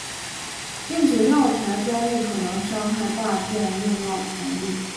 并且药材专利可能伤害大众用药权利。